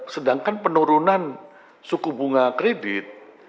sedangkan penurunan suku bunga kredit